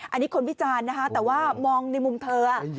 อันนี้คนวิจารณ์นะคะแต่ว่ามองในมุมเธอ